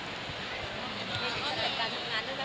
สวัสดีค่ะ